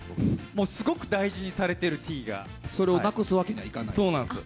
もうすごく大事にされてる、それをなくすわけにはいかなそうなんです。